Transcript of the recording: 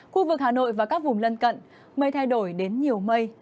khu vực hà nội và các vùng lân cận mây thay đổi đến nhiều mây